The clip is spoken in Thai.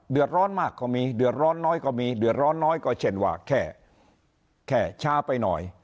เดือดร้อนมากก็มีเดือดร้อนน้อยก็มีเดือดร้อนน้อยก็เช่นว่าแค่แค่ช้าไปหน่อย